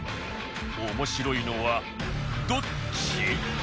面白いのはどっち？